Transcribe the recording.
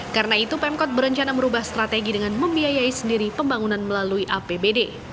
karena itu pemkot berencana merubah strategi dengan membiayai sendiri pembangunan melalui apbd